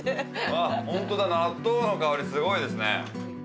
あホントだ納豆の香りすごいですね。